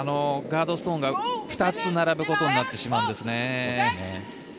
ガードストーンが２つ並ぶことになってしまうんですね。